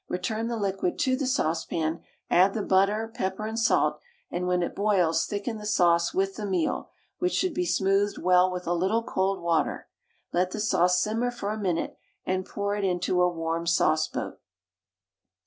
Return the liquid to the saucepan, add the butter, pepper, and salt, and when it boils thicken the sauce with the meal, which should he smoothed well with a little cold water. Let the sauce simmer for a minute, and pour it into a warm sauce boat.